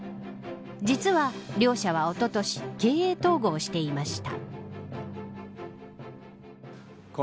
実は、両社は、おととし経営統合していました。